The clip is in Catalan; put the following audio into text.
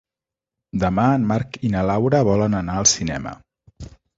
Demà en Marc i na Laura volen anar al cinema.